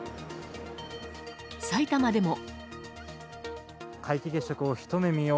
埼玉でも。